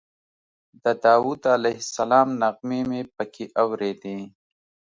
د داود علیه السلام نغمې مې په کې اورېدې.